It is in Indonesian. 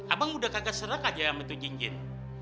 abang udah kagak serang aja sama tuh cincin